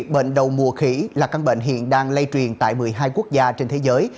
bệnh đầu mùa khỉ là căn bệnh hiện đang lây truyền tại một mươi hai quốc gia trên thế giới